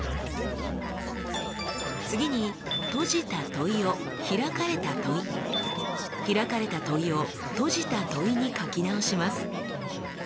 次に閉じた問いを開かれた問い開かれた問いを閉じた問いに書き直します。